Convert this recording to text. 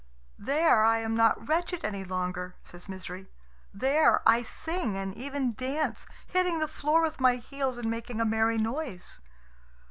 "There I am not wretched any longer," says Misery. "There I sing, and even dance, hitting the floor with my heels and making a merry noise."